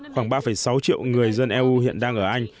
khoảng ba sáu triệu người dân eu hiện đang ở anh